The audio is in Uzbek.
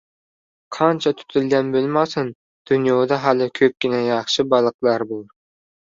• Qancha tutilgan bo‘lmasin, dunyoda hali ko‘pgina yaxshi baliqlar bor.